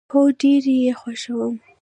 هو، ډیر یی خوښوم